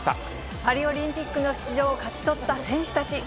パリオリンピックの出場を勝ち取った選手たち。